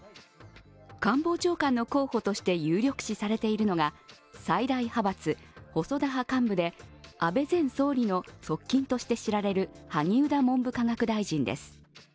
官房長官の候補として有力視されているのが、最大派閥・細田派幹部で安倍前総理の側近として知られる萩生田文部科学大臣です。